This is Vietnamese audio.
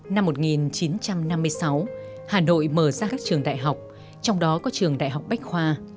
năm một nghìn chín trăm năm mươi sáu hà nội mở ra các trường đại học trong đó có trường đại học bách khoa